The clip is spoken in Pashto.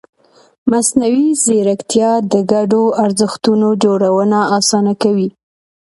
مصنوعي ځیرکتیا د ګډو ارزښتونو جوړونه اسانه کوي.